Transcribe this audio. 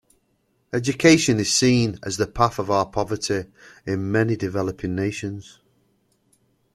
Education is seen as the path out of poverty in many developing nations.